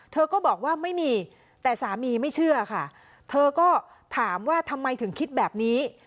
เธอก็บอกว่าไม่มีแต่สามีไม่เชื่อค่ะเธอก็ถามว่าทำไมถึงคิดแบบนี้